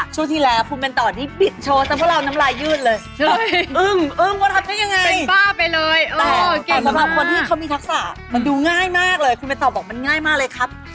ช่วงที่แล้วคุณเป็นต่อที่บิดโชว์จ้าพวกเราน้ำลายยืดเลย